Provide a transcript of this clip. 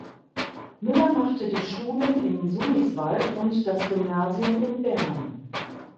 Müller machte die Schulen in Sumiswald und das Gymnasium in Bern.